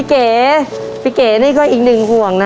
คอยจะเดิน